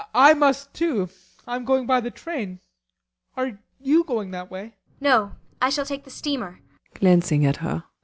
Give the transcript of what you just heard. BORGHEIM. I must, too. I am going by the train. Are you going that way? ASTA. No. I shall take the steamer.